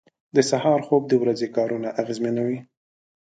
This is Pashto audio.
• د سهار خوب د ورځې کارونه اغېزمنوي.